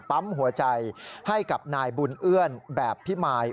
ปั๊มหัวใจให้กับนายบุญเอื้อนแบบพิมาย